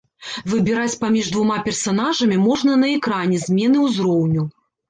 Выбіраць паміж двума персанажамі можна на экране змены ўзроўню.